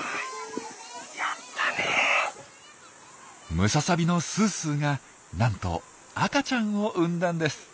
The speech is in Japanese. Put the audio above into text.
ムササビのすーすーがなんと赤ちゃんを産んだんです！